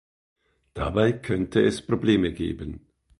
Dabei könnte es Probleme geben.